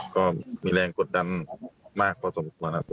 ก็มีแรงกดดำมากพอสมควร